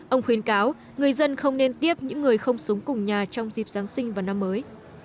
ông khuyên cáo người dân không nên tiếp những người không sống cùng nhà trong dịp giáng sinh và năm mới